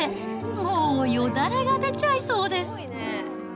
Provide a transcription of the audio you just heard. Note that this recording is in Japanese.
もう、よだれが出ちゃいそうです。